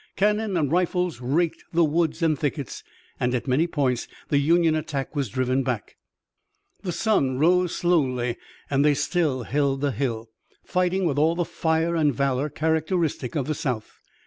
Cannon and rifles raked the woods and thickets, and at many points the Union attack was driven back. The sun rose slowly and they still held the hill, fighting with all the fire and valor characteristic of the South.